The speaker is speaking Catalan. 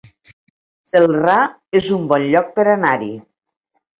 Celrà es un bon lloc per anar-hi